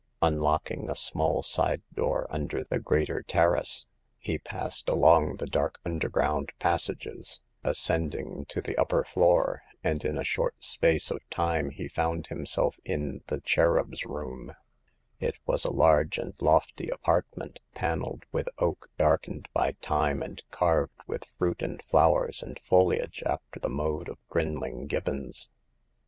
Unlocking a ^mall side door under the greater terrace^ he ijas^^d ^ia^^g. i5o Hagar of the Pawn Shop. the dark underground passages, ascending to the upper floor, and in a short space of time he found himself in " The Cherubs' Room/' It was a large and lofty apartment, paneled with oak darkened by time and carved with fruit and flowers and foliage after the mode of Grinling Gibbons.